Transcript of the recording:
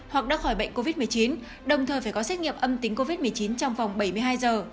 hoặc đã khỏi bệnh covid một mươi chín đồng thời phải có xét nghiệm âm tính covid một mươi chín trong vòng bảy mươi hai giờ